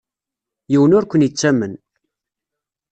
Yiwen ur ken-yettamen.